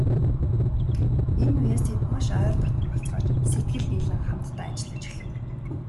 Энэ үеэс тэд маш ойр дотно болцгоож, сэтгэл нийлэн хамтдаа ажиллаж эхлэв.